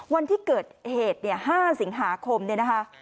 วันที่เกิดเหตุเนี่ย๕สิงหาคมเนี่ยนะคะ